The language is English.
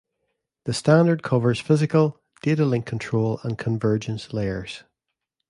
The standard covers Physical, Data Link Control and Convergence layers.